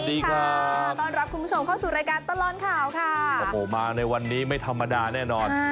อีกไม่มีใต้ตั้งใจให้ชมใช่มะ